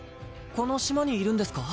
この島にいるんですか？